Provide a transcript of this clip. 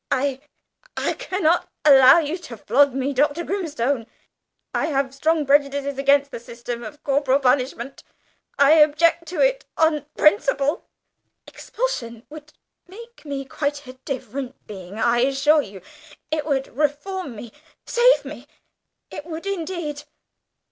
I I cannot allow you to flog me, Dr. Grimstone. I have strong prejudices against the system of corporal punishment. I object to it on principle. Expulsion would make me quite a different being, I assure you; it would reform me save me it would indeed."